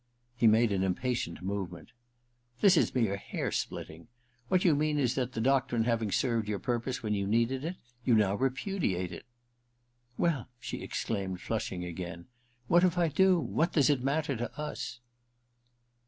He made an impatient movement. ' This is mere hair splitting. What you mean is that, the doctrine having served your purpose when you needed it, you now repudiate it.' ' Well,' she exclaimed, flushing again, * what if I do } What does it matter to us